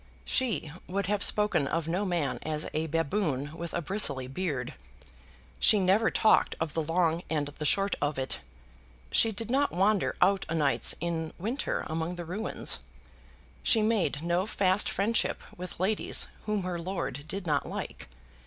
She would have spoken of no man as a baboon with a bristly beard. She never talked of the long and the short of it. She did not wander out o' nights in winter among the ruins. She made no fast friendship with ladies whom her lord did not like.